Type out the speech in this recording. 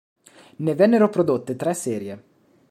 Ne vennero prodotte tre serie.